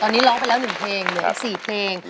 ตอนนี้ร้อนไปแล้วหนึ่งเพลงเหลืออีกสี่เพลง